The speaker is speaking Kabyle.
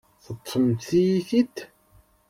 Teṭṭfemt-iyi-t-id.